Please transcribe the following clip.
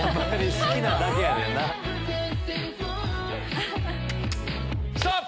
好きなだけやねんな。ストップ！